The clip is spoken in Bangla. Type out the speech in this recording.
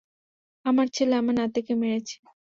আমার ছেলে আমার নাতিকে মেরেছে।